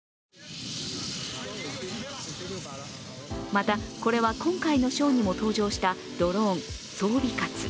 また、これは今回のショーにも登場したドローン、双尾蝎。